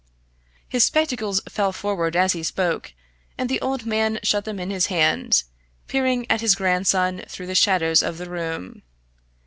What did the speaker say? His spectacles fell forward as he spoke, and the old man shut them in his hand, peering at his grandson through the shadows of the room.